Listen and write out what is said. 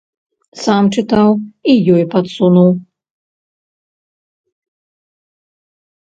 Сам чытаў і ёй падсунуў.